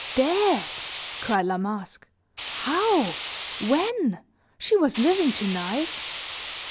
"Dead!" cried La Masque. "How? When? She was living, tonight!"